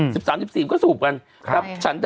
๑๓๒๔ปีนี้ก็สูบกัน